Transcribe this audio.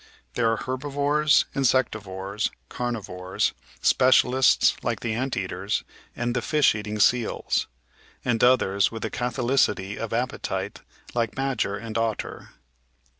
There are herbivores, insectivores, carnivores, specialists like the ant eaters 496 The Outline of Science and the fish eating seals, and others with a catholicity of appetite like badger and otter.